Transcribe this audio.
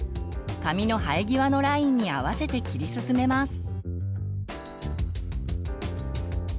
髪の生え際のラインに合わせて切り進めます。